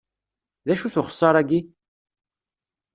D acu-t uxeṣṣar-agi?